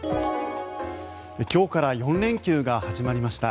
今日から４連休が始まりました。